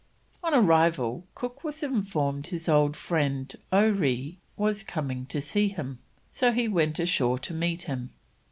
On arrival Cook was informed his old friend Oree was coming to see him, so he went ashore to meet him.